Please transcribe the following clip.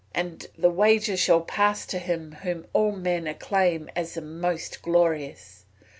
And the wager shall pass to him whom all men acclaim as the most glorious.